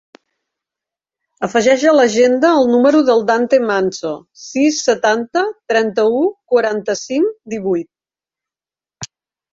Afegeix a l'agenda el número del Dante Manso: sis, setanta, trenta-u, quaranta-cinc, divuit.